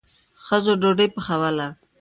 ښځو ډوډۍ پخوله.